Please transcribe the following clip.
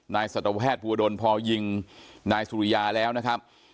สัตวแพทย์ภูวดลพอยิงนายสุริยาแล้วนะครับ